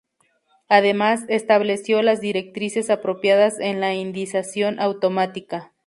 Además, estableció las directrices apropiadas en la indización automática.